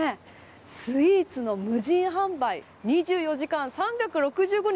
スイーツの無人販売２４時間３６５日